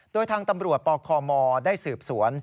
โดยทางตำรวจปคมได้สืบสวน